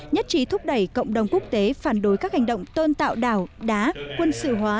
nhất trí thúc đẩy cộng đồng quốc tế phản đối các hành động tôn tạo đảo đá quân sự hóa